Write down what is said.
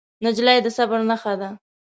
نجلۍ د صبر نښه ده.